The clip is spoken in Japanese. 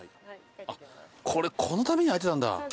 これこのために空いてたんだ。